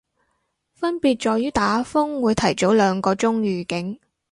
分別在於打風會提早兩個鐘預警